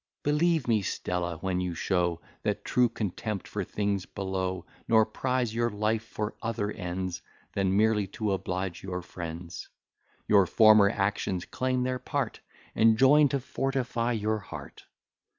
Believe me, Stella, when you show That true contempt for things below, Nor prize your life for other ends, Than merely to oblige your friends; Your former actions claim their part, And join to fortify your heart.